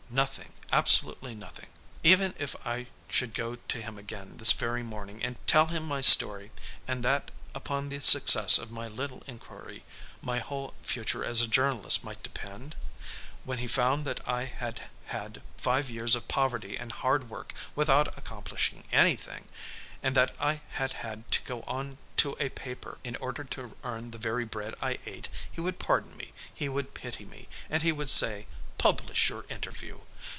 Nothing, absolutely nothing. Even if I should go to him again this very morning, tell him my story and that upon the success of my little inquiry my whole future as a journalist might depend? When he found that I had had five years of poverty and hard work without accomplishing anything, and that I had had to go onto a paper in order to earn the very bread I ate, he would pardon me, he would pity me and he would say, "Publish your interview."